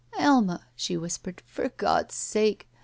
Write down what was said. "Alma," she whispered, for God's sake!